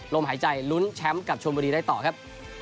ลมหายใจลุ้นแชมป์กับชนบุรีได้ต่อครับ